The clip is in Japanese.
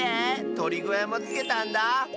とりごやもつけたんだ。